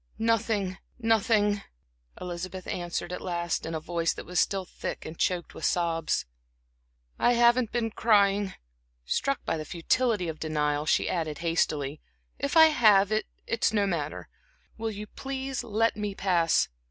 "Nothing nothing," Elizabeth answered at last, in a voice that was still thick and choked with sobs. "I haven't been crying or," struck by the futility of denial, she added hastily "if I have it it's no matter. Will you please let me pass?"